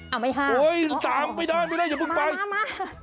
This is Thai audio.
เอาไม่ให้โอ้ยตามไม่ได้ไม่ได้อย่าเพิ่งไปตามมา